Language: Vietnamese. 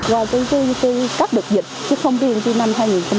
và từ khi tôi cắt được dịch chứ không riêng từ năm hai nghìn hai mươi một